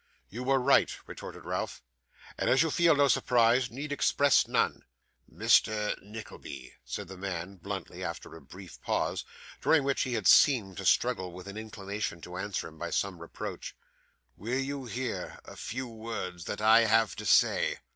'You were right,' retorted Ralph; 'and as you feel no surprise, need express none.' 'Mr. Nickleby,' said the man, bluntly, after a brief pause, during which he had seemed to struggle with an inclination to answer him by some reproach, 'will you hear a few words that I have to say?